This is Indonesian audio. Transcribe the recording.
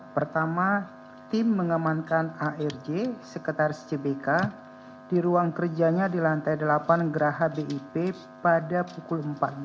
pertama tim mengamankan arj sekretaris cbk di ruang kerjanya di lantai delapan geraha bip pada pukul empat belas